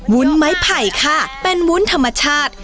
วุ้นไม้ไผ่ค่ะเป็นวุ้นธรรมชาติ